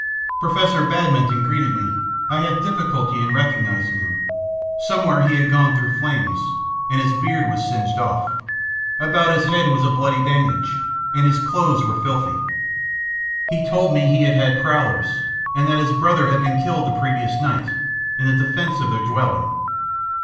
Professor Badminton greeted me, I had difficulty in recognizing him. Somewhere he had gone through flames, and his beard was singed off. About his head was a bloody bandage, and his clothes were filthy. [Illustration: He told me he had been Cruelly Beaten 112] "He told me he had prowlers, and that his brother had been killed the previous night, in the defence of their dwelling.